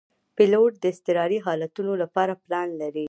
پیلوټ د اضطراري حالتونو لپاره پلان لري.